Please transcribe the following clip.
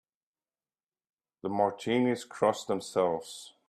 The Martinis cross themselves.